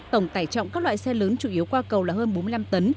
tổng tải trọng các loại xe lớn chủ yếu qua cầu là hơn bốn mươi năm tấn